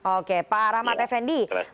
oke pak rahmat effendi